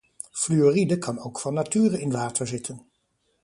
Fluoride kan ook van nature in water zitten.